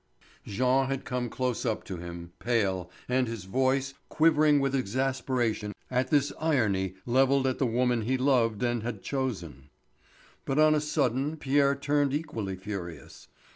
Jean had come close up to him, pale, and his voice quivering with exasperation at this irony levelled at the woman he loved and had chosen. But on a sudden Pierre turned equally furious.